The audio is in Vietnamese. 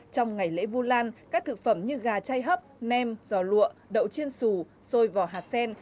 trong ngày lễ vu lan các thực phẩm như gà chay hấp nem giò lụa đậu chiên sù sôi vỏ hạt sen